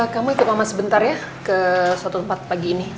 kamu ikut mama sebentar ya ke satu tempat pagi ini